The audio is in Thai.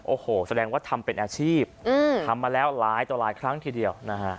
โอ้โหแสดงว่าทำเป็นอาชีพทำมาแล้วหลายต่อหลายครั้งทีเดียวนะฮะ